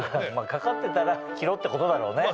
掛かってたら着ろってことだろうね。